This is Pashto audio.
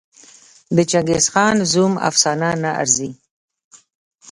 د چنګېزخان زوم افسانه نه ارزي.